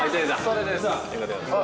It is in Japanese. それです